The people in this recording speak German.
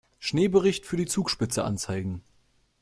Schneebericht für die Zugspitze anzeigen.